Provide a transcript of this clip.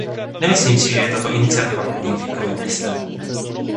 Nemyslím si, že je tato iniciativa pouhým fíkovým listem.